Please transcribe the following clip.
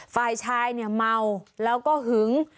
ฟายชายเมาแล้วก็หึง